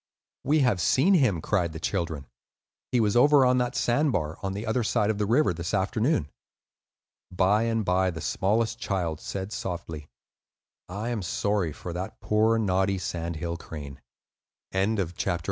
"We have seen him," cried the children. "He was over on that sand bar, on the other side of the river, this afternoon." By and by the smallest child said, softly, "I am sorry for that poor, naughty, sandhill crane." XII. THE MIST LADY.